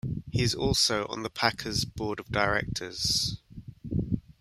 He is also on the Packers' Board of Directors.